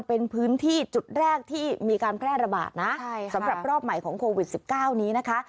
เป็นพื้นที่จุดแรกที่มีการแพร่ระบาดนะสำหรับรอบใหม่ของโควิด๑๙นี้นะคะ